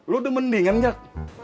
lo udah mendingan gak